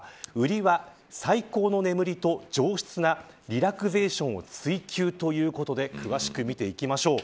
売りは、最高の眠りと上質なリラクゼーションを追求ということで詳しく見ていきましょう。